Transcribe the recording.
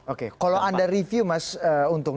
oke kalau anda review mas untung